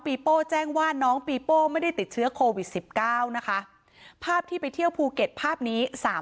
โป้แจ้งว่าน้องปีโป้ไม่ได้ติดเชื้อโควิดสิบเก้านะคะภาพที่ไปเที่ยวภูเก็ตภาพนี้สาม